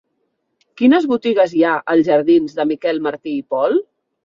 Quines botigues hi ha als jardins de Miquel Martí i Pol?